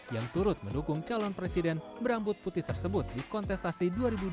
yang turut mendukung calon presiden berambut putih tersebut di kontestasi dua ribu dua puluh